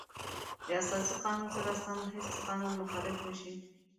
د اساسي قانون سره سم هیڅ قانون مخالف نشي.